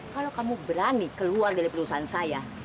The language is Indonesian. kalau kamu berani keluar dari perusahaan saya